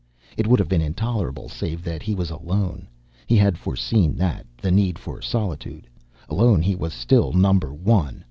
It would have been intolerable, save that he was alone. He had foreseen that the need for solitude. Alone, he was still Number One.